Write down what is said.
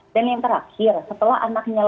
dan yang terakhir setelah anaknya lahir